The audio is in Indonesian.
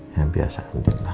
yang biasa andin lah